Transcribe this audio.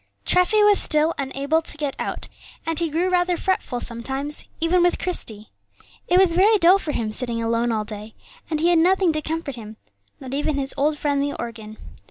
Treffy was still unable to get out, and he grew rather fretful sometimes, even with Christie. It was very dull for him sitting alone all day; and he had nothing to comfort him, not even his old friend the organ.